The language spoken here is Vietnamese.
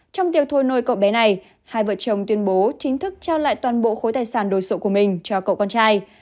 trong tiệc thôi nôi cậu bé này hai vợ chồng tuyên bố chính thức trao lại toàn bộ khối tài sản đồ sộ của mình cho cậu con trai